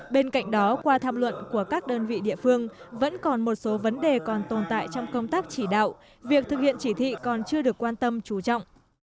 bên cạnh đó qua tham luận của các đơn vị địa phương vẫn còn một số vấn đề còn tồn tại trong công tác chỉ đạo việc thực hiện chỉ thị còn chưa được quan tâm trú trọng